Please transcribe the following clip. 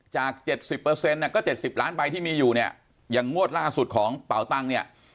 จาก๗๐ก็๗๐ล้านใบที่มีอยู่เนี่ยอย่างงวดล่าสุดของเป่าตังค์เนี่ย